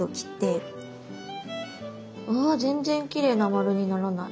うわ全然きれいな丸にならない。